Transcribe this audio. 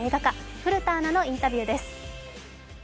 古田アナのインタビューです。